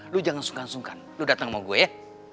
lu jangan sungkan sungkan lu datang sama gue ya